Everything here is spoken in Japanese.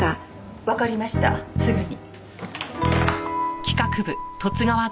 わかりましたすぐに。